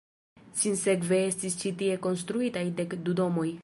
Sinsekve estis ĉi tie konstruitaj dek du domoj.